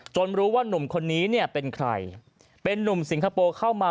รู้ว่านุ่มคนนี้เนี่ยเป็นใครเป็นนุ่มสิงคโปร์เข้ามา